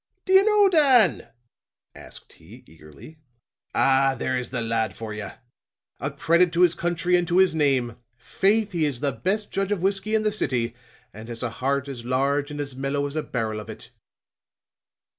"Do you know Dan?" asked he, eagerly. "Ah, there is the lad for you. A credit to his country and to his name. Faith, he is the best judge of whiskey in the city, and has a heart as large and as mellow as a barrel of it."